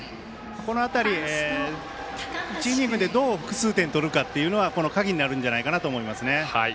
この辺り、１イニングでどう複数点を取るかっていうのはこの鍵になるんじゃないかなと思います。